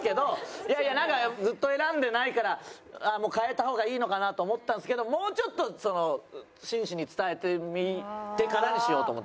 ずっと選んでないからもう変えた方がいいのかなと思ったんですけどもうちょっと真摯に伝えてみてからにしようと思って。